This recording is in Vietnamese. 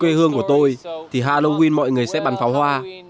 trên quê hương của tôi thì halloween mọi người sẽ bắn pháo hoa